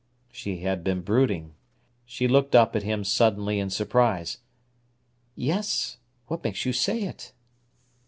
She had been brooding. She looked up at him suddenly in surprise. "Yes. What makes you say it?"